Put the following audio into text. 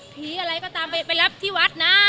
อะไรก็ตามไปรับที่วัดนะ